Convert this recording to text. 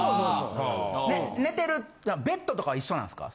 寝てるベッドとか一緒なんですか。